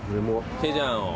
ケジャンを。